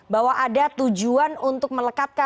bahwa ada tujuan untuk melekatkan